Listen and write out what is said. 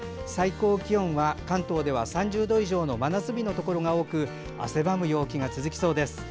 最高気温は関東では３０度以上の真夏日のところが多く汗ばむ陽気が続きそうです。